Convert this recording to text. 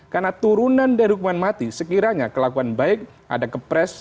karena turunan dari hukuman mati sekiranya kelakuan baik ada kepres